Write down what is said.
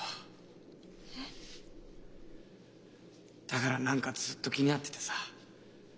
だから何かずっと気になっててさ。